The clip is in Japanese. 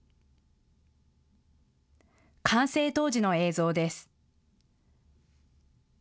完成当時の映像です。